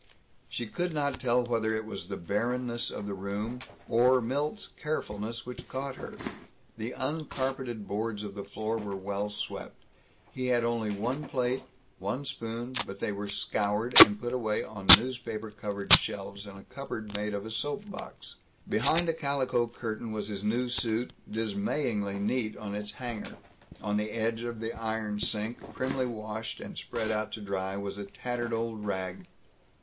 She could not tell whether it was the barrenness of the room, or Milt's carefulness, that caught her. The uncarpeted boards of the floor were well swept. He had only one plate, one spoon, but they were scoured, and put away on newspaper covered shelves in a cupboard made of a soap box. Behind a calico curtain was his new suit, dismayingly neat on its hanger. On the edge of the iron sink primly washed and spread out to dry, was a tattered old rag.